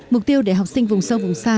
mục tiêu để học sinh vùng sâu vùng xa